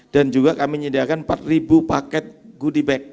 dan juga kami menyediakan empat paket goodie bag